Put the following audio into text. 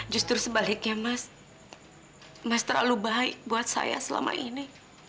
justru sebaliknya mas mas terlalu baik buat saya selama ini